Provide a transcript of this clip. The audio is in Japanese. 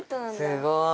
すごい。